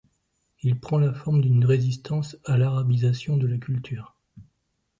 Il prend la forme d'une résistance à l'arabisation de la culture.